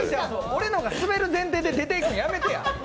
俺のがスベる前提いくのやめてや。